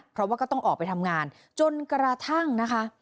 เพราะว่าก็ต้องออกไปทำงานจนกระทั่งนะคะ